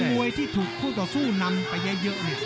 คือมวยที่ถูกผู้ต่อสู้นำไปเยอะเยอะเนี่ย